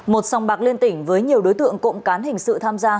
một sòng bạc liên tỉnh với nhiều đối tượng cộng cán hình sự tham gia